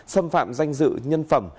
xâm phạm danh dự nhân phẩm